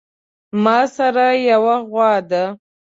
ماسره يوه غوا ده